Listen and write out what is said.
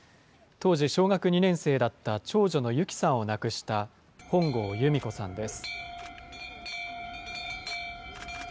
当時、小学２年生だった長女の優希さんを亡くした本郷由美子さんです。